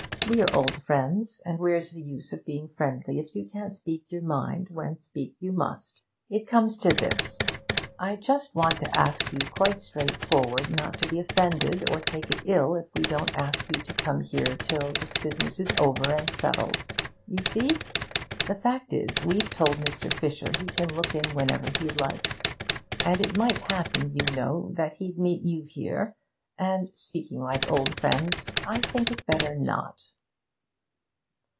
We're old friends, and where's the use of being friendly if you can't speak your mind, when speak you must? It comes to this: I just want to ask you quite straightforward, not to be offended or take it ill if we don't ask you to come here till this business is over and settled. You see? The fact is, we've told Mr. Fisher he can look in whenever he likes, and it might happen, you know, that he'd meet you here, and, speaking like old friends I think it better not.'